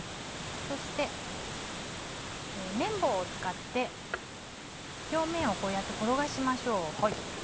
そして麺棒を使って表面をこうやって転がしましょう。